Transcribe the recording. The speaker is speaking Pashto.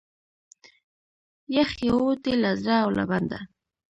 یخ یې ووتی له زړه او له بدنه